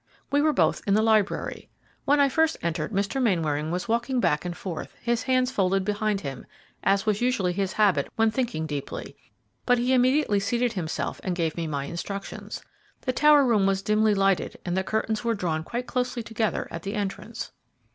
"We were both in the library. When I first entered, Mr. Mainwaring was walking back and forth, his hands folded behind him, as was usually his habit when thinking deeply, but he immediately seated himself and gave me my instructions. The tower room was dimly lighted and the curtains were drawn quite closely together at the entrance."